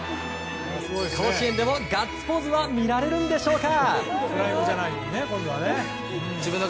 甲子園でもガッツポーズは見られるのでしょうか。